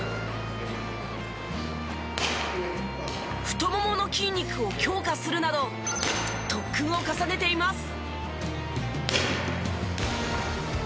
太ももの筋肉を強化するなど特訓を重ねています。